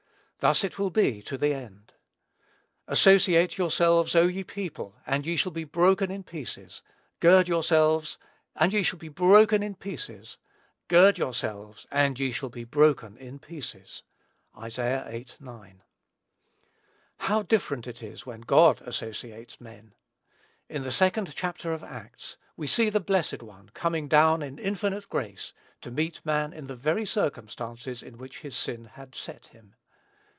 Thus it will be to the end. "Associate yourselves, O ye people, and ye shall be broken in pieces ... gird yourselves, and ye shall be broken in pieces; gird yourselves, and ye shall be broken in pieces." (Isa. viii. 9.) How different it is when God associates men! In the second chapter of Acts, we see the blessed One coming down in infinite grace to meet man in the very circumstances in which his sin had set him.